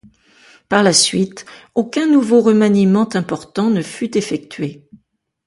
Par la suite, aucun nouveau remaniement important ne fut effectué.